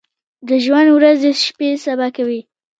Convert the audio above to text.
د ژوند ورځې شپې سبا کوي ۔